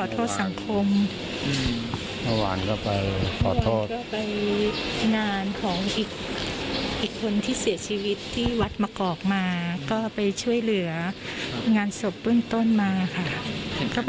ต้องการขอโทษในสิ่งที่ลูกชายทำลงไป